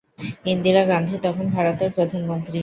ইন্দিরা গান্ধি তখন ভারতের প্রধানমন্ত্রী।